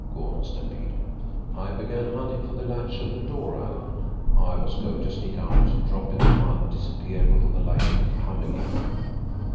"Go on, Stampede!" "I began hunting for the latch on the door, Alan. I was goin' to sneak out, drop in the mud, disappear before the lightnin' come again.